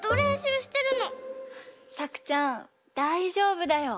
さくちゃんだいじょうぶだよ。